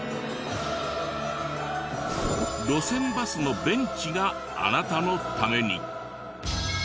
路線バスのベンチがあなたのために。